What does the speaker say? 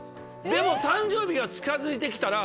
でも誕生日が近づいて来たら。